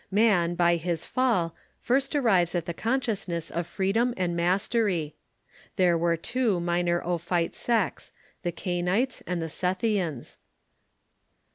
Man, by his fall, first arrives at the consciousness of freedom and mastery. There were two minor Ophite sects — the Cainites and the Sethians.